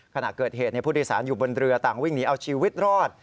ขณะเกิดเหตุผู้โดยสารอยู่บนเรือต่างวิ่งหนีเอาชีวิตรอด